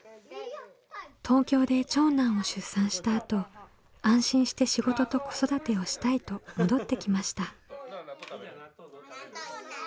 東京で長男を出産したあと安心して仕事と子育てをしたいと戻ってきました。